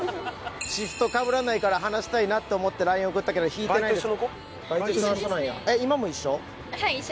「シフト被らないから話したいなって思ってＬＩＮＥ送ってたけど引いてないですか？」